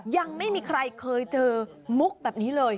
ยังไม่มีใครเคยเจอมุกแบบนี้เลย